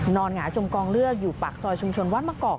หงายจมกองเลือดอยู่ปากซอยชุมชนวัดมะกอก